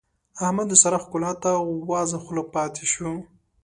احمد د سارا ښکلا ته وازه خوله پاته شو.